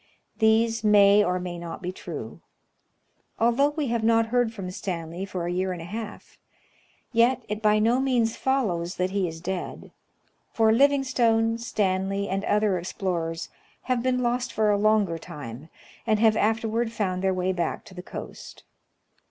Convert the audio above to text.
These may or may not be true. Although we have not heard from Stanley for a year and a half, yet it by no means follows that he is dead ; for Livingstone, Stanley, and other explorers have been lost for a longer time, and have afterward found their way back to the coast.